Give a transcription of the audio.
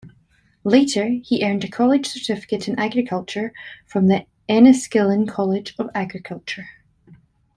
Later, he earned a College Certificate in Agriculture from the Enniskillen College of Agriculture.